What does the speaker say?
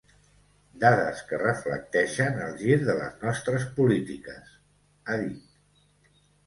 “Dades que reflecteixen el gir de les nostres polítiques”, ha dit.